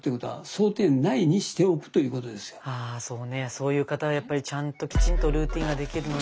そういう方はやっぱりちゃんときちんとルーティンができるのね。